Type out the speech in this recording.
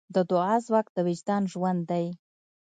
د دعا ځواک د وجدان ژوند دی.